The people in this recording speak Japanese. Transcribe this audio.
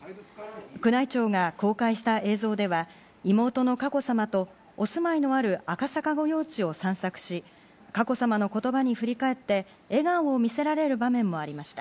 宮内庁が公開した映像では、妹の佳子さまとお住まいのある赤坂御用地を散策し、佳子さまの言葉に振り返って笑顔を見せられる場面もありました。